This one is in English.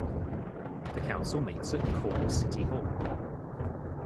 The council meets at Cork City Hall.